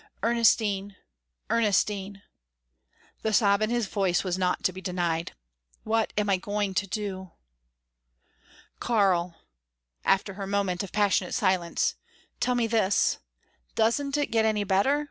"Ernestine! Ernestine!" the sob in his voice was not to be denied "What am I going to do?" "Karl," after her moment of passionate silence "tell me this. Doesn't it get any better?